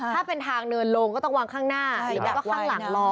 ถ้าเป็นทางเนินลงก็ต้องวางข้างหน้าหรือแบบว่ากลางล้อ